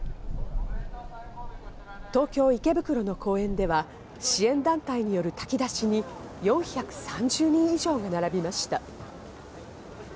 東京・池袋の公園では、支援団体による炊き出しに４３０人以上が並びました。